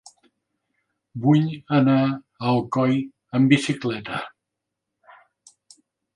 Vull anar a Alcoi amb bicicleta.